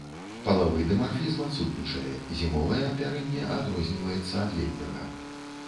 Палавы дымарфізм адсутнічае, зімовае апярэнне адрозніваецца ад летняга.